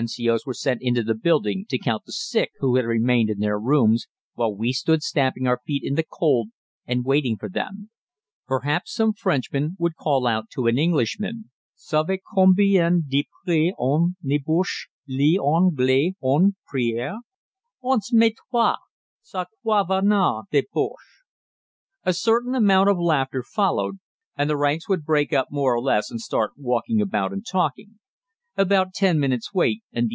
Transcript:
C.O.'s were sent into the building to count the sick who had remained in their rooms, while we stood stamping our feet in the cold and waiting for them. Perhaps some Frenchman would call out to an Englishman, "Savez vous combien de prisonniers Bosches les Anglais out pris hier?" "Onze mille trois cent quatre vingt deux Bosches." A certain amount of laughter followed, and the ranks would break up more or less and start walking about and talking. After ten minutes' wait, the N.